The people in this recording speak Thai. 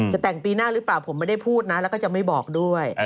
จะแต่งปีหน้าหรือเปล่าผมไม่ได้พูดนะแล้วก็จะไม่บอกด้วย